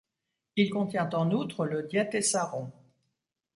Il contient en outre le Diatessaron.